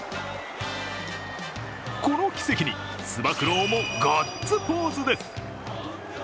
この奇跡に、つば九郎もガッツポーズです。